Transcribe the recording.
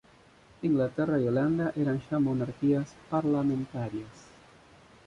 Inglaterra y Holanda eran ya monarquías parlamentarias.